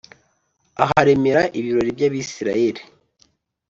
aharemera ibirori by’Abisirayeli